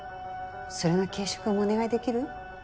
それの軽食もお願いできる？